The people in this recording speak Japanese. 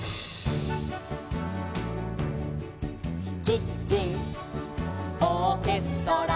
「キッチンオーケストラ」